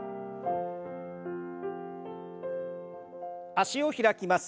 脚を開きます。